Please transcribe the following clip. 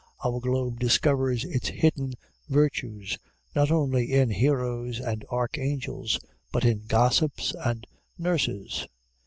Our globe discovers its hidden virtues, not only in heroes and archangels, but in gossips and nurses.